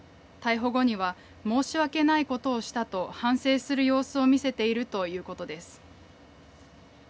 逮捕後には申し訳ないことをしたと反省する様子を見せているということです。